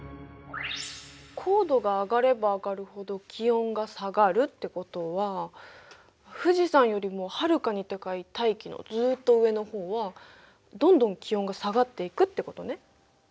高度が上がれば上がるほど気温が下がるってことは富士山よりもはるかに高い大気のずっと上の方はどんどん気温が下がっていくってことね。